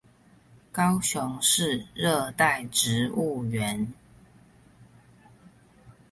高雄市熱帶植物園